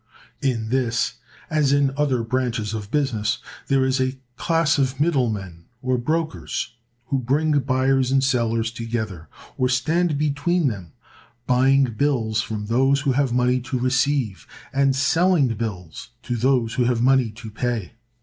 In this, as in other branches of business, there is a class of middle men or brokers, who bring buyers and sellers together, or stand between them, buying bills from those who have money to receive, and selling bills to those who have money to pay.